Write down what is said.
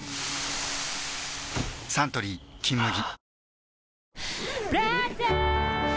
サントリー「金麦」